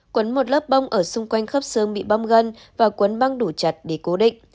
quấn một lớp bông ở xung quanh khắp sương bị bong gân và quấn băng đủ chặt để cố định